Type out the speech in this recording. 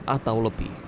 empat atau lebih